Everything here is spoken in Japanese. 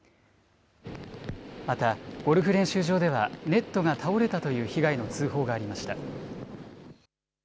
また、ゴルフ練習場ではネットが倒れたという被害の通報がありました。